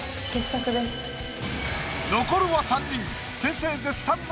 残るは三人。